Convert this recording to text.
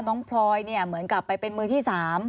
น้องพลอยเนี่ยเหมือนกลับไปเป็นมือที่๓